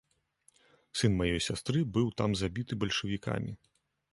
Сын маёй сястры быў там забіты бальшавікамі.